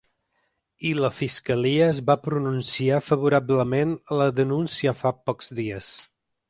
I la fiscalia es va pronunciar favorablement a la denúncia fa pocs dies.